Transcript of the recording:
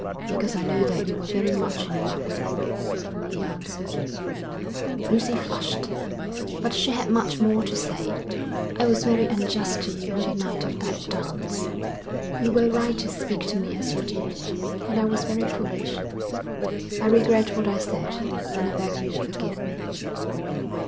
'Because I know that you were very much in love with him,' he answered. Lucy flushed. But she had much more to say. 'I was very unjust to you on the night of that dance. You were right to speak to me as you did, and I was very foolish. I regret what I said, and I beg you to forgive me.'